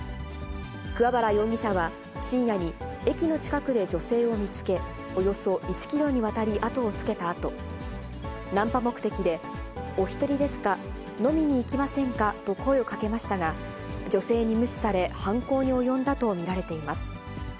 桑原容疑者は深夜に、駅の近くで女性を見つけ、およそ１キロにわたり後をつけたあと、ナンパ目的で、お１人ですか、飲みに行きませんかと声をかけましたが、女性に無視され、犯行に及んだと見られています。